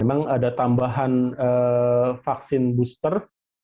memang ada tambahan vaksin booster